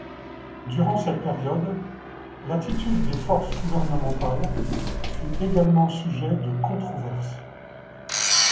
Durant cette période, l'attitude des forces gouvernementales fut également sujet de controverses.